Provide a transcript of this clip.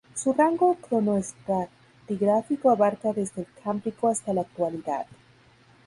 Su rango cronoestratigráfico abarca desde el Cámbrico hasta la Actualidad.